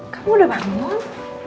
kamu udah bangun